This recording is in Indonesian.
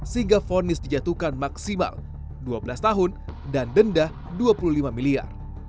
sehingga fonis dijatuhkan maksimal dua belas tahun dan denda dua puluh lima miliar